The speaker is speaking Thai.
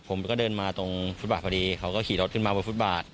ผมก็เดินมาตรงฟุตบาทพอดีเขาก็ขี่รถขึ้นมาบนฟุตบาท